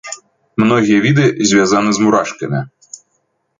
Многія віды звязаны з мурашкамі.